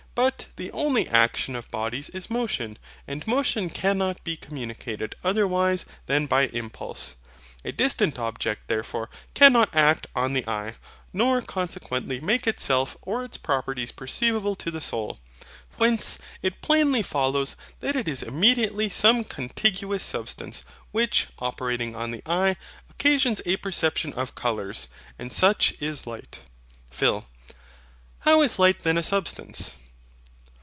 But the only action of bodies is motion; and motion cannot be communicated otherwise than by impulse. A distant object therefore cannot act on the eye; nor consequently make itself or its properties perceivable to the soul. Whence it plainly follows that it is immediately some contiguous substance, which, operating on the eye, occasions a perception of colours: and such is light. PHIL. Howl is light then a substance?